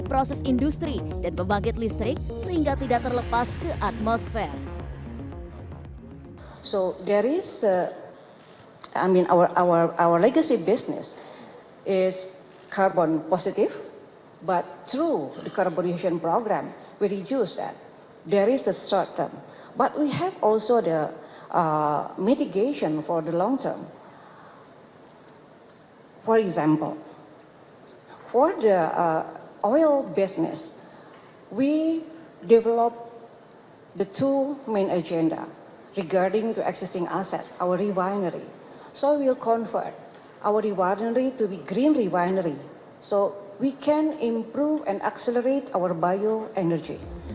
pertamina menjelaskan upayanya mencapai energi bersih penting dilakukan pertamina harus memastikan ketahanan energi nasional menjadi prioritas